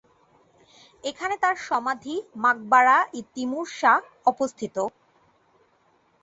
এখানে তার সমাধি মাকবারা-ই-তিমুর শাহ অবস্থিত।